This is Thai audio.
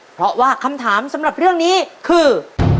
เพราะว่าคำถามสำหรับเรื่องนี้คือ